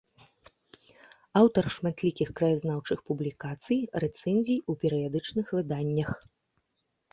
Аўтар шматлікіх краязнаўчых публікацый, рэцэнзій у перыядычных выданнях.